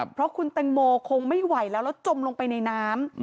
เพราะคุณแตงโมคงไม่ไหวแล้วแล้วจมลงไปในน้ำ